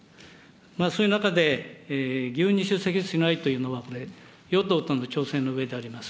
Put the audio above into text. そういう中で、議運に出席しないというのは、これ、与党との調整のうえであります。